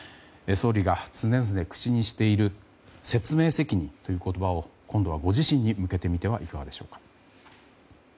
総理が常々口にしている説明責任という言葉を今度はご自身に向けてみてはいかがでしょうか。